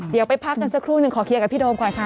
เดี๋ยวไปพักกันสักครู่หนึ่งขอเคลียร์กับพี่โดมก่อนค่ะ